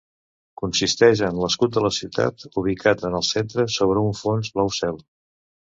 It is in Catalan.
Consisteix en l'escut de la ciutat ubicat en el centre, sobre un fons blau cel.